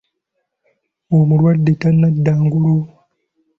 Omulwadde tanadda ngulu.